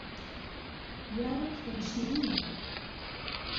یارم خوێنشیرینه